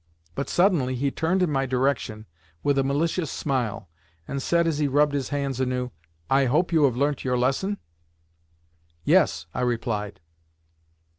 But suddenly he turned in my direction with a malicious smile, and said as he rubbed his hands anew, "I hope you have learnt your lesson?" "Yes," I replied.